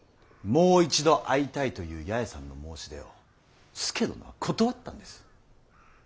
もう一度会いたいという八重さんの申し出を佐殿は断ったんです。